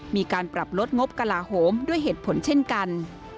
มีการปรับลดงบกระลาโหมด้วยเหตุผลเช่นกัน